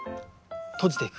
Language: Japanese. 閉じていく。